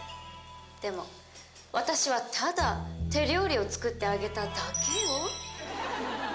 でも私はただ手料理を作ってあげただけよ。